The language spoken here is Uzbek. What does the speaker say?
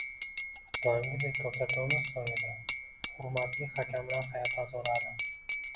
Doimgidek, ko‘rsatuvimiz so‘ngida hurmatli hakamlar hay’ati a’zolari